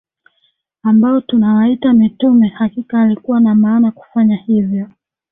ambao tunawaita mitume Hakika alikuwa na maana kufanya hivyo